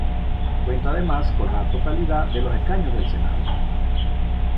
Cuenta además con la totalidad de los escaños del Senado.